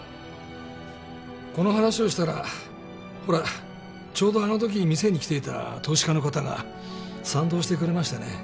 この話をしたらほらちょうどあのとき店に来ていた投資家の方が賛同してくれましてね。